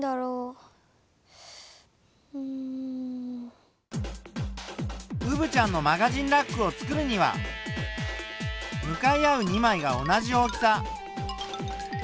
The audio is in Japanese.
うぶちゃんのマガジンラックをつくるには向かい合う２枚が同じ大きさ。